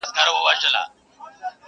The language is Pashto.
خداى دي نه كړي د قام بېره په رگونو!!